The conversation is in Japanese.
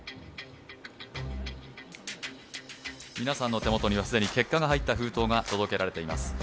皆さんのお手元には既に結果の入った封筒が届けられています。